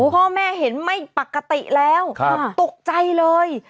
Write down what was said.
พ่อแม่เห็นไม่ปกติแล้วตกใจเลย